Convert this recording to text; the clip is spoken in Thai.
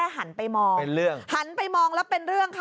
แค่หันไปมอง